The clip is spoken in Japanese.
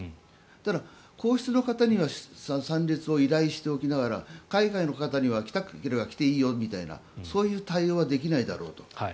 だから皇室の方には参列を依頼しておきながら海外の方には来たければ来ていいよみたいなそういう対応はできないだろうと。